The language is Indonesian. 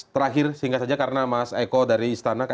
terakhir singkat saja karena mas eko dari istana